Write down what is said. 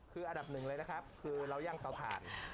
คืออันดับหนึ่งเลยนะครับคือเราย่างเตาถ่าน